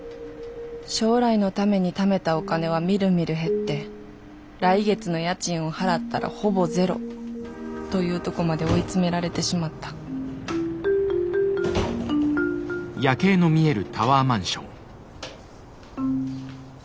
将来のためにためたお金はみるみる減って来月の家賃を払ったらほぼゼロというとこまで追い詰められてしまったおかえり！